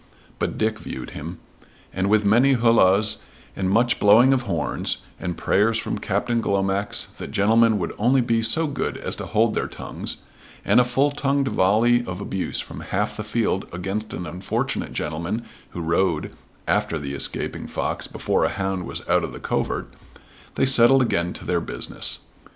But Dick viewed him; and with many holloas and much blowing of horns, and prayers from Captain Glomax that gentlemen would only be so good as to hold their tongues, and a full tongued volley of abuse from half the field against an unfortunate gentleman who rode after the escaping fox before a hound was out of the covert, they settled again to their business.